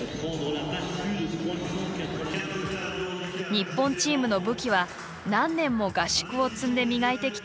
日本チームの武器は何年も合宿を積んで磨いてきたタッチワーク。